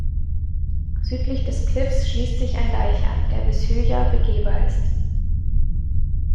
Südlich des Kliffs schließt sich ein Deich an, der bis Højer begehbar ist.